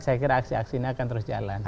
saya kira aksi aksi ini akan terus jalan